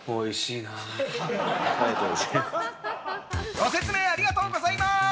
ご説明ありがとうございます！